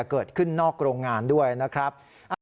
เกิดขึ้นนอกโรงงานด้วยนะครับ